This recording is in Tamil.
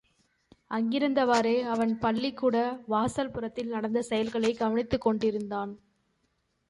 அங்கிருந்தவாறே அவன் பள்ளிக்கூட வாசல் புறத்தில் நடந்த செயல்களைக் கவனித்துக் கொண்டிருந்தான்.